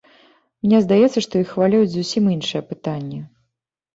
Мне здаецца, што іх хвалююць зусім іншыя пытанні.